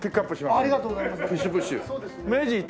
ありがとうございます。